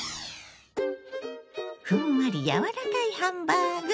ふんわり柔らかいハンバーグ。